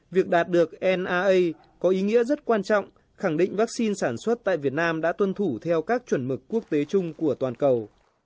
việc đạt được naa có ý nghĩa rất quan trọng khẳng định vaccine sản xuất tại việt nam đã tuân thủ theo các chuẩn mực quốc tế chung của toàn cầu